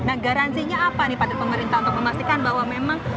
nah garansinya apa nih pada pemerintah untuk memastikan bahwa memang